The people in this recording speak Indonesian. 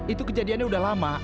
itu sudah lama